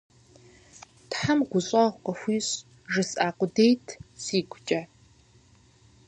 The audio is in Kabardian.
«Тхьэм гущӀэгъу къыхуищӀ» жысӀа къудейт сигукӀэ.